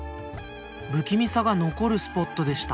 不気味さが残るスポットでした。